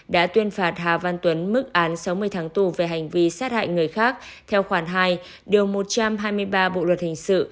đã tuyên phạt hà văn tuấn mức án sáu mươi tháng tù về hành vi sát hại người khác theo khoản hai điều một trăm hai mươi ba bộ luật hình sự